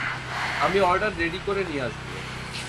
আমি order ready করে নিয়ে আসব।